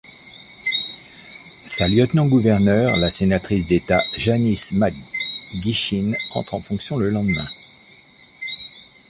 Sa lieutenant-gouverneur, la sénatrice d'État Janice McGeachin, entre en fonction le lendemain.